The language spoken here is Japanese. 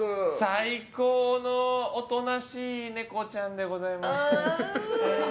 最高のおとなしいネコちゃんでございました。